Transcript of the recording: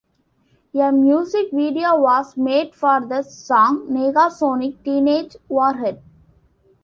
A music video was made for the song "Negasonic Teenage Warhead".